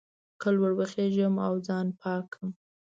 که لوړ وخېژم او ځان پاک کړم.